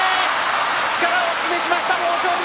力を示しました豊昇龍。